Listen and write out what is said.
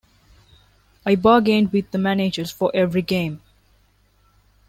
I bargained with the managers for every game.